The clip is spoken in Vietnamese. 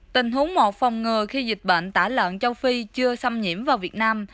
tình huống một phòng ngừa khi dịch bệnh tả lợn châu phi chưa xâm nhiễm vào việt nam